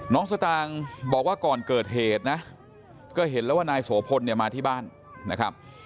สตางค์บอกว่าก่อนเกิดเหตุนะก็เห็นแล้วว่านายโสพลเนี่ยมาที่บ้านนะครับ